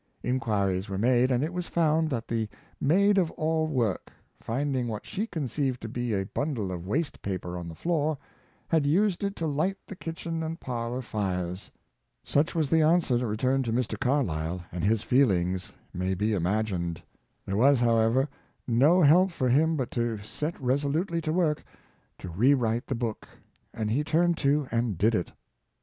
Inquiries were made, and it was found that the maid of all work, finding what she conceived to be a bundle of waste paper on the floor, had used it to light the kitch en and parlor fires! Such was the answer returned to Mr. Carlyle, and his feelings may be imagined. There was, however, no help for him but to set resolutely to work to re write the book, and he turned to and did it.